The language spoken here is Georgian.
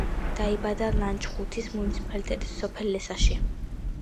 დაიბადა ლანჩხუთის მუნიციპალიტეტის სოფელ ლესაში.